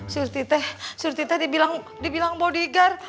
surti teh surti teh dibilang bodyguard